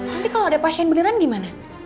nanti kalau ada pasien beneran gimana